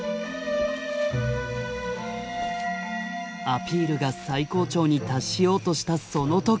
アピールが最高潮に達しようとしたその時。